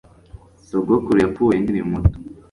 Sogokuru yapfuye nkiri muto